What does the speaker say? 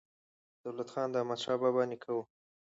دولت خان د احمدشاه بابا نیکه و.